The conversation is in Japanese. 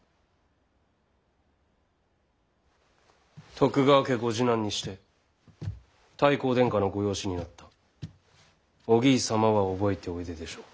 徳川家ご次男にして太閤殿下のご養子になった於義伊様は覚えておいででしょう。